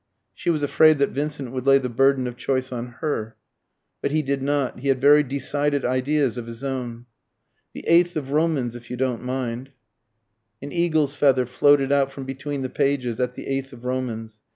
She was afraid that Vincent would lay the burden of choice on her. But he did not he had very decided ideas of his own. "The eighth of Romans, if you don't mind." An eagle's feather floated out from between the pages at the eighth of Romans.